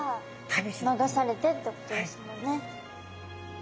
流されてってことですもんね。